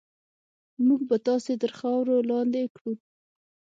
موږ به تاسې تر خاورو لاندې کړو.